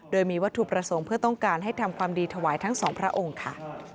โดยมีวัตถุประสงค์เพื่อต้องการให้ทำความดีถวายทั้งสองพระองค์ค่ะ